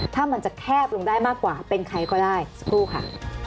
ถ้ามันจะแคบลงได้มากกว่าเป็นใครก็ได้สักครู่ค่ะ